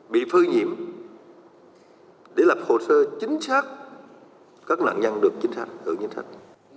bị phơi nhiệm để lập hồ sơ chính xác các nạn nhân được chính xác được chính xác